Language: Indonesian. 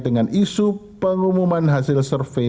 menggunakan pengumuman hasil survei